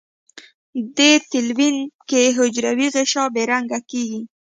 دې تلوین کې حجروي غشا بې رنګه کیږي.